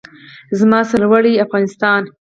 زما سرلوړی افغانستان.